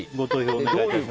お願いします。